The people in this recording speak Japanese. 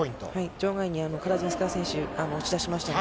場外にカラジンスカヤ選手が押し出しましたね。